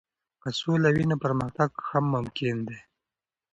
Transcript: که سوله وي، نو پرمختګ هم ممکن دی.